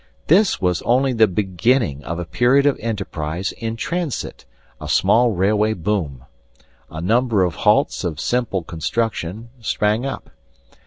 This was only the beginning of a period of enterprise in transit, a small railway boom. A number of halts of simple construction sprang up.